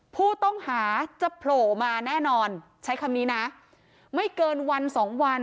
ผู้ต้องหาจะโผล่มาแน่นอนใช้คำนี้นะไม่เกินวันสองวัน